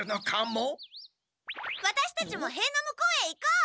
ワタシたちもへいの向こうへ行こう！